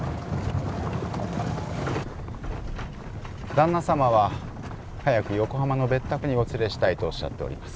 旦那様は早く横浜の別宅にお連れしたいとおっしゃっております。